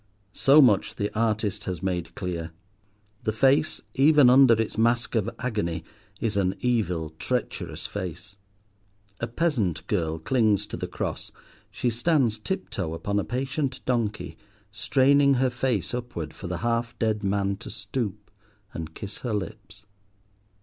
So much the artist has made clear. The face, even under its mask of agony, is an evil, treacherous face. A peasant girl clings to the cross; she stands tip toe upon a patient donkey, straining her face upward for the half dead man to stoop and kiss her lips.